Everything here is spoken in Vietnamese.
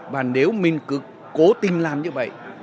và nếu mình cứ cố tình làm như vậy